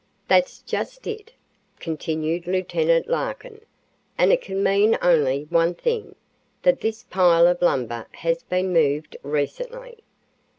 "That's just it," continued Lieut. Larkin, "and it can mean only one thing, that this pile of lumber has been moved recently.